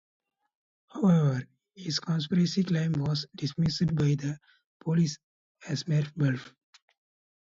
However, his conspiracy claim was dismissed by the police as "mere bluff".